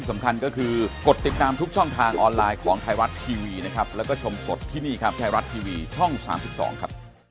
สวัสดีครับ